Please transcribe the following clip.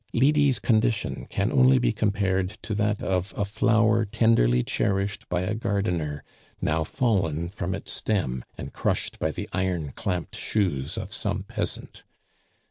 Lydie's condition can only be compared to that of a flower tenderly cherished by a gardener, now fallen from its stem, and crushed by the iron clamped shoes of some peasant.